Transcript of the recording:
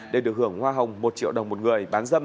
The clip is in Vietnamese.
để được hưởng hoa hồng một triệu đồng một người